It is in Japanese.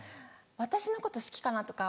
私のこと好きかなとか。